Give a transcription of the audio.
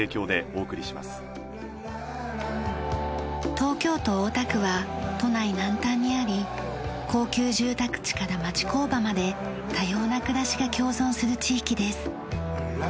東京都大田区は都内南端にあり高級住宅地から町工場まで多様な暮らしが共存する地域です。